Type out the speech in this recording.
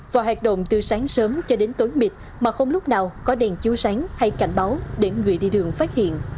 và hoạt động từ sáng sớm cho đến tối mịt mà không lúc nào có đèn chiếu sáng hay cảnh báo để người đi đường phát hiện